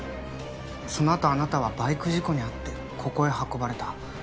そのあとあなたはバイク事故に遭ってここへ運ばれた。